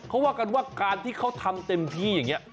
เขาว่ากันว่าการที่เขาทำเต็มที่อย่างนี้